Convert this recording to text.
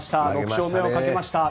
６勝目をかけました。